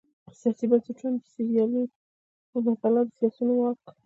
د پوتاشیم اتوم یو ولانسي الکترون لري.